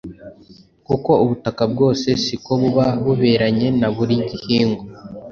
kuko ubutaka bwose siko buba buberanye na buri gihingwa.